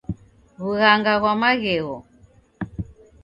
Wughanga ghwa maghegho